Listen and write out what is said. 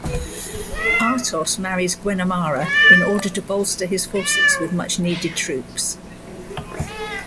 Artos marries Guenhumara in order to bolster his forces with much needed troops.